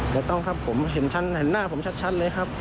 ถูกต้องครับผมเห็นหน้าผมชัดเลยครับ